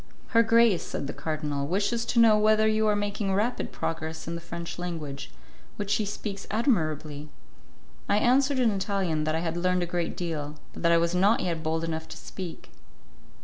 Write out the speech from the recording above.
"Her grace," said the Cardinal, "wishes to know whether you are making rapid progress in the French language, which she speaks admirably." I answered in Italian that I had learned a great deal, but that I was not yet bold enough to speak.